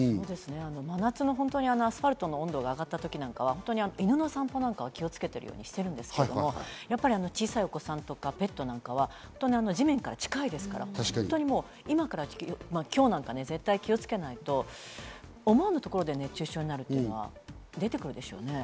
真夏のアスファルトの温度が上がった時なんかは犬の散歩なんかは気をつけるようにしているんですけど、小さいお子さんとかペットなんかは地面から近いですから、今日なんか絶対気をつけないと、思わぬところで熱中症になるということが出てくるでしょうね。